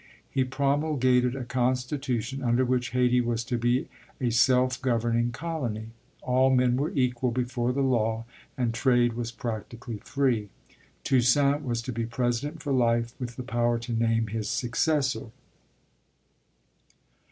He promulgated a constitution under which Hayti was to be a self governing colony; all men were equal before the law, and trade was practically free. Toussaint was to be president for life, with the power to name his successor.